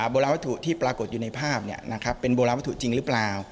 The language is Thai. โบราณวัตถุที่ปรากฏอยู่ในภาพเป็นโบราณวัตถุจริงหรือเปล่า